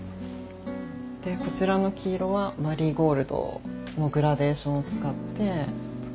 でこちらの黄色はマリーゴールドのグラデーションを使って作りました。